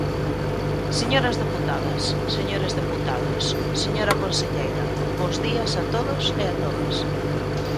Señoras deputadas, señores deputados, señora conselleira, bos días a todos e a todas.